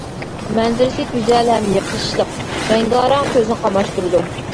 مەنزىرىسى گۈزەل ھەم يېقىشلىق، رەڭگارەڭ، كۆزنى قاماشتۇرىدۇ.